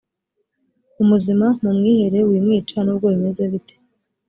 umuzima mumwihere wimwica nubwo bimeze bite